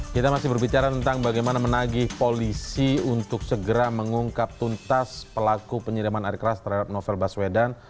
kita masih berbicara tentang bagaimana menagih polisi untuk segera mengungkap tuntas pelaku penyiraman air keras terhadap novel baswedan